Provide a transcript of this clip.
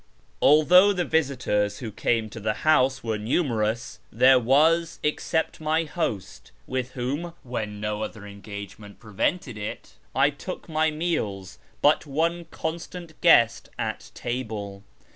Although the visitors who came to the house were numerous, there was, except my host (with whom, when no other engagement prevented it, I took my meals), but one constant guest at table.